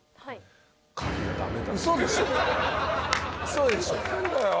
嘘でしょ。